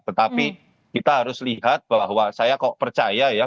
tetapi kita harus lihat bahwa saya kok percaya ya